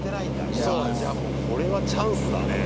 じゃあこれはチャンスだね。